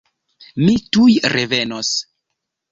Mi tuj revenos!